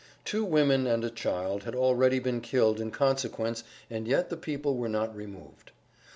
Two women and a child had already been killed in consequence and yet the people were not removed.